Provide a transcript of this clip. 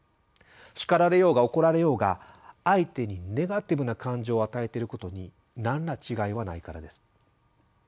叱られようが怒られようが相手にネガティブな感情を与えていることに何ら違いはないからです。